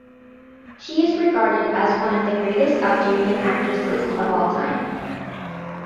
She is regarded as one of the greatest Algerian actresses of all time.